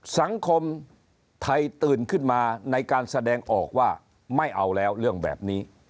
สังคมไทยตื่นขึ้นมาในการแสดงออกว่าไม่เอาแล้วเรื่องแบบนี้